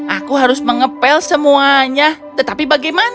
aku harus mengepel semuanya tetapi bagaimana